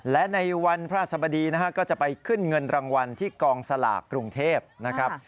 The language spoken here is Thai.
และในวันพระสบดีนะฮะก็จะไปขึ้นเงินรางวัลที่กองสลากกรุงเทพนะครับ